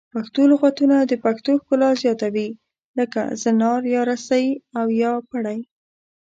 پښتو لغتونه د پښتو ښکلا زیاتوي لکه زنار یا رسۍ او یا پړی